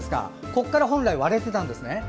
ここから本来割れていたんですね。